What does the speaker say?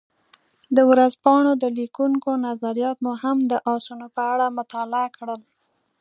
د ورځپاڼو د لیکونکو نظریات مو هم د اسونو په اړه مطالعه کړل.